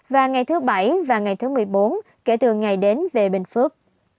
và ngày thứ bảy và ngày thứ một mươi bốn kể từ ngày đến về bình phước